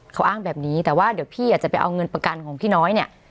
เขาอ้างแบบนี้แต่ว่าเดี๋ยวพี่อาจจะไปเอาเงินประกันของพี่น้อยเนี่ย